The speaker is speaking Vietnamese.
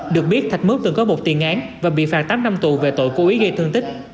được biết thạch mước từng có một tiền án và bị phạt tám năm tù về tội cố ý gây thương tích